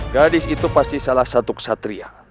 gadis itu pasti salah satu kesatria